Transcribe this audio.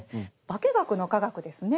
化け学の化学ですね。